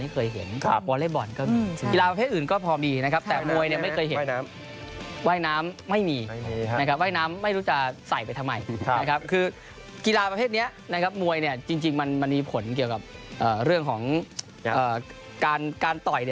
คือกีฬาประเภทนี้มวยจริงมันมีผลเกี่ยวกับเรื่องของการต่อย